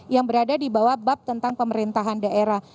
yang berada di bawah bab tentang pemerintahan daerah